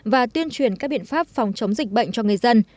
và tuyên truyền các biện pháp phòng chống dịch bệnh cho người dân